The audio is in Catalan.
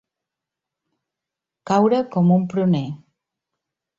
Caure com un pruner.